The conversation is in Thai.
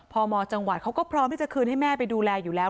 พมจังหวัดเขาก็พร้อมที่จะคืนให้แม่ไปดูแลอยู่แล้ว